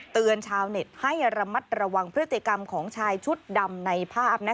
ชาวเน็ตให้ระมัดระวังพฤติกรรมของชายชุดดำในภาพ